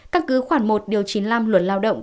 các cứ khoảng một chín mươi năm luật lao động